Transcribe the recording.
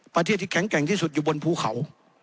ประเทศที่แข็งแกร่งที่สุดอยู่บนภูเขา